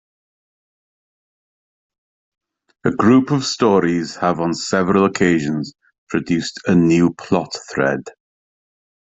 A group of stories have on several occasions produced a new plot thread.